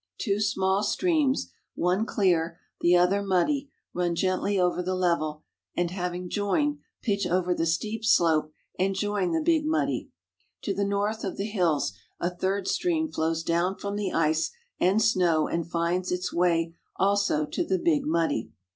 Two small stream.s — one clear, the other muddy — run gently over the level and, having joined, i)itch over the steep slope and join the Big Muddy. To the north of the hills a third stream flows down from the ice and snow and finds its way also to the Big Muddy.